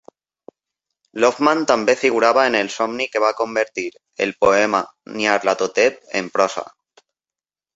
Loveman també figurava en el somni que va convertir el poema Nyarlathotep en prosa.